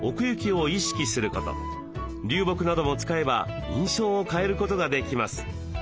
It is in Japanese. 流木なども使えば印象を変えることができます。